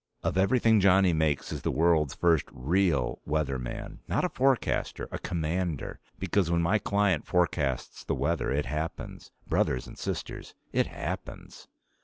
"Of everything Johnny makes as the world's first real Weather Man. Not a forecaster a commander. Because when my client forecasts the weather, it happens. Brothers and sisters, it happens."